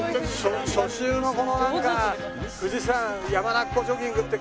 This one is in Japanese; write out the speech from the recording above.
初秋のこのなんか富士山山中湖ジョギングって感じだよ